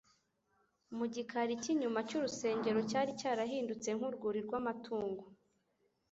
mu gikari cy’inyuma cy’urusengero cyari cyarahindutse nk’urwuri rw’amatungo.